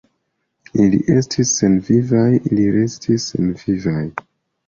Ili estis senvivaj, ili restis senvivaj!